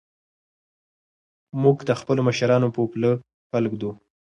موږ د خپلو مشرانو په پله پل ږدو.